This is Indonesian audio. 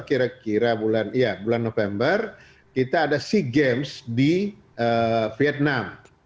kira kira bulan november kita ada sea games di vietnam